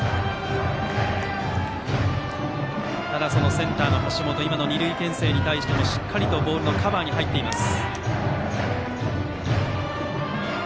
センターの橋本二塁けん制に対してもしっかりとボールのカバーに入っています。